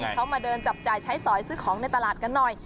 เขามาเดินจับจ่ายใช้สอยซื้อของในตลาดกันหน่อย